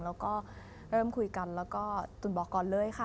แล้วก็เริ่มคุยกันแล้วก็ตุ๋นบอกก่อนเลยค่ะ